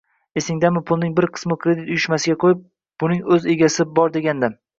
Esingdami pulning bir qismini kredit uyushmasiga qo`yib, buning o`z egasi bor degandim